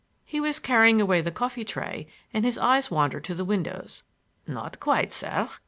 He was carrying away the coffee tray and his eyes wandered to the windows. "Not quite, sir.